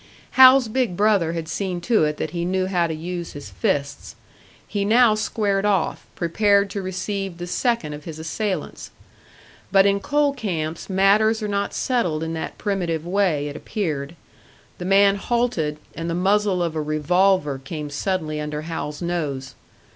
Hal's big brother had seen to it that he knew how to use his fists; he now squared off, prepared to receive the second of his assailants. But in coal camps matters are not settled in that primitive way, it appeared. The man halted, and the muzzle of a revolver came suddenly under Hal's nose.